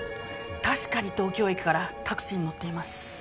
確かに東京駅からタクシーに乗っています。